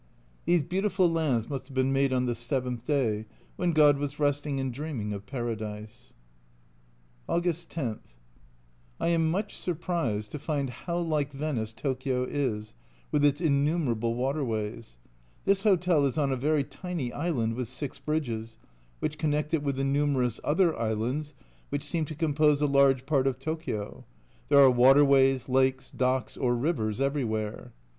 These beautiful lands must have been made on the seventh day, when God was resting and dreaming of Paradise. August 10. I am much surprised to find how like Venice Tokio is, with its numerous waterways. This hotel is on a very tiny island with six bridges, which connect it with the numerous other islands which seem to compose a large part of Tokio there are waterways, lakes, docks, or rivers everywhere.